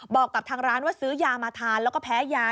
บอกกับทางร้านว่าซื้อยามาทานแล้วก็แพ้ยา